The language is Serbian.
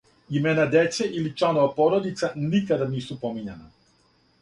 Имена деце или чланова породица никада нису помињана.